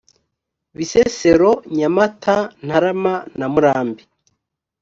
bisesero nyamata ntarama na murambi